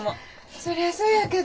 そりゃそうやけど。